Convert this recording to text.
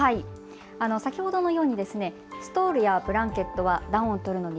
先ほどのようにストールやブランケットは暖を取るのに